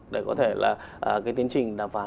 để có thể là cái tiến trình đàm phán